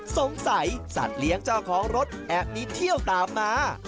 สัตว์เลี้ยงเจ้าของรถแอบมีเที่ยวตามมา